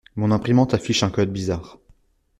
Mon imprimante affiche un code bizarre.